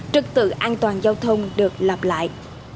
trực tự an toàn giao thông được lặp lại